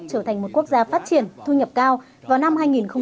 trở thành một quốc gia phát triển thu nhập cao vào năm hai nghìn bốn mươi năm